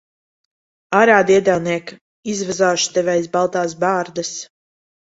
Ārā, diedelniek! Izvazāšu tevi aiz baltās bārdas.